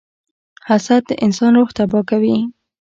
• حسد د انسان روح تباه کوي.